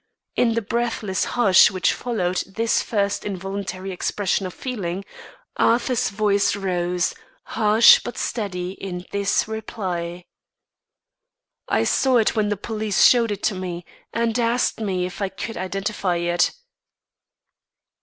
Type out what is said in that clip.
In the breathless hush which followed this first involuntary expression of feeling, Arthur's voice rose, harsh but steady in this reply: "I saw it when the police showed it to me, and asked me if I could identify it."